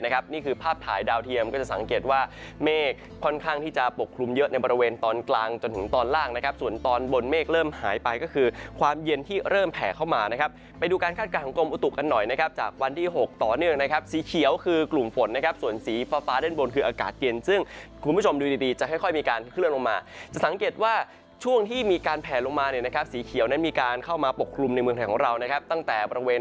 นี่คือภาพถ่ายดาวเทียมก็จะสังเกตว่าเมฆค่อนข้างที่จะปกคลุมเยอะในบริเวณตอนกลางจนถึงตอนล่างนะครับส่วนตอนบนเมฆเริ่มหายไปก็คือความเย็นที่เริ่มแผลเข้ามานะครับไปดูการคาดการณ์กลมอุตุกกันหน่อยนะครับจากวันที่๖ต่อเนื่องนะครับสีเขียวคือกลุ่มฝนนะครับส่วนสีฟ้าด้านบนคืออากา